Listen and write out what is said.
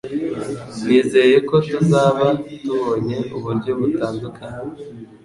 Nizeye ko tuzaba tubonye uburyo butandukanye